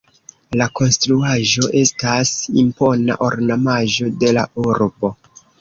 La konstruaĵo estas impona ornamaĵo de la urbo.